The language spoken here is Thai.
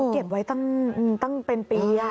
เก็บไว้ตั้งเป็นปี